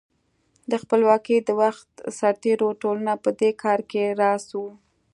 د خپلواکۍ د وخت سرتېرو ټولنه په دې کار کې راس وه.